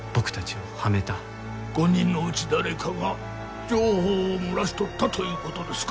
５人のうち誰かが情報を漏らしとったという事ですか？